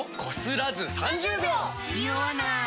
ニオわない！